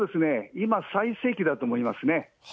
今、最盛期だと思いますね。